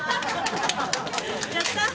やった！